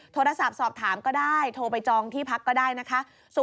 โทรศัพท์สอบถามก็ได้โทรไปจองที่พักก็ได้นะคะ